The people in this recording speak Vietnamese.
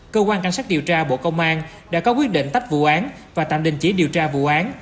cơ quan cảnh sát điều tra bộ công an đã có quyết định tách vụ án và tạm đình chỉ điều tra vụ án